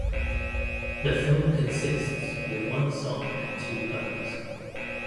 The film consists with one song and two poems.